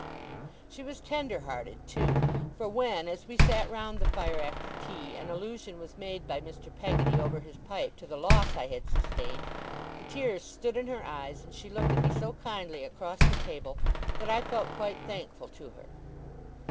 She was tender hearted, too; for when, as we sat round the fire after tea, an allusion was made by Mr. Peggotty over his pipe to the loss I had sustained, the tears stood in her eyes, and she looked at me so kindly across the table, that I felt quite thankful to her.